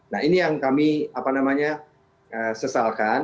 nah ini yang kami sesalkan